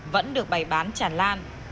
vẫn được bày bán chản lan